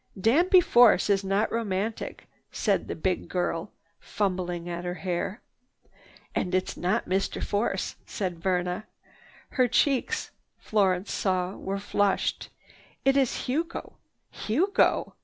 "Danby Force is not romantic," said the big girl, fumbling at her hair. "And it's not Mr. Force," said Verna. Her cheeks, Florence saw, were flushed. "It is Hugo, Hugo!"